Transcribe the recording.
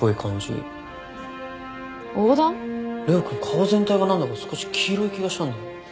玲生君顔全体が何だか少し黄色い気がしたんだよね。